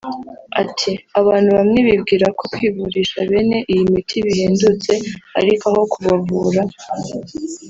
Ati "Abantu bamwe bibwira ko kwivurisha bene iyi miti bihendutse ariko aho kubavura